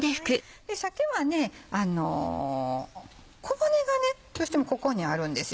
鮭は小骨がどうしてもここにあるんですよね。